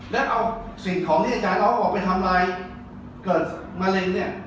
แล้วเอาสิ่งของที่อาจารย์ออฟออกไปทำลายเกิดมะเร็งเนี่ย